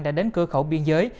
đã đến cửa khẩu biên giới